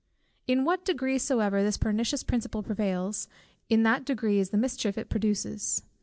In what degree soever this pernicious principle prevails, in that degree is the mischief it produces.